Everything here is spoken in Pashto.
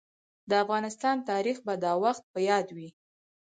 د افغانستان تاريخ به دا وخت په ياد وي.